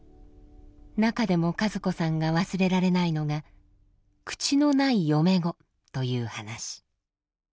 中でも和子さんが忘れられないのが「口のない嫁ご」という話。